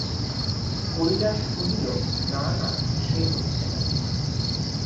কৈলাস কহিল, না না, সে হচ্ছে না।